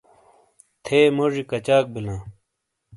تھے موجی کچاک بِیلاں۔